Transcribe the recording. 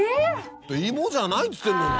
芋じゃないっつってんのに。